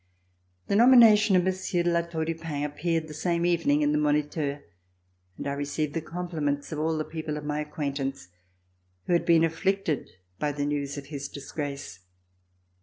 The nomination of Monsieur de La Tour du Pin appeared the same evening in the "Moniteur," and I received the compliments of all the people of my acquaintance who had been afflicted by the news of his disgrace.